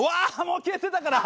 もう消えてたから！